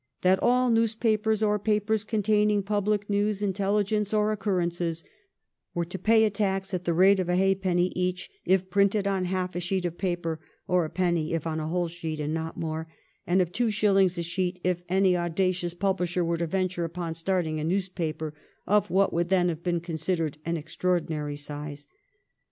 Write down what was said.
191 that ' all newspapers or papers containing public news, intelligence, or occurrences ' were to pay a tax at the rate of a halfpenny each if printed on half a sheet of paper, or a penny if on a whole sheet and not more, and of two shillings a sheet if any audacious publisher were to venture upon starting a newspaper of what would then have been considered an extraordinary size.